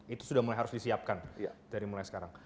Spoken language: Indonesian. itu sudah mulai harus disiapkan dari mulai sekarang